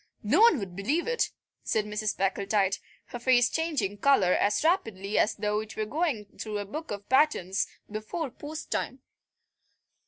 "No one would believe it," said Mrs. Packletide, her face changing colour as rapidly as though it were going through a book of patterns before post time.